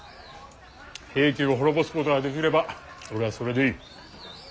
平家を滅ぼすことができれば俺はそれでいい。